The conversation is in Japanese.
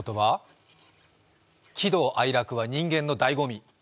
喜怒哀楽は人間のだいご味！